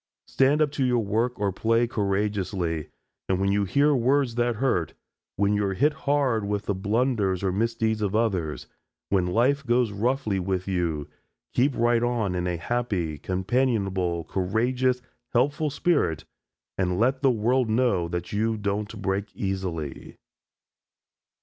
Stand up to your work or play courageously, and when you hear words that hurt, when you are hit hard with the blunders or misdeeds of others, when life goes roughly with you, keep right on in a happy, companionable, courageous, helpful spirit, and let the world know that you don't break easily.